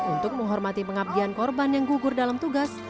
untuk menghormati pengabdian korban yang gugur dalam tugas